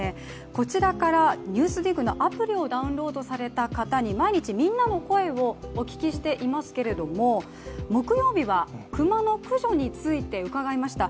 こちらから「ＮＥＷＳＤＩＧ」のアプリをダウンロードされた方に毎日、みんなの声をお聞きしていますけれども、木曜日は熊の駆除について、伺いました。